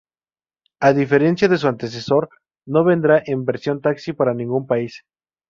A diferencia de su antecesor, no vendrá en versión taxi para ningún país.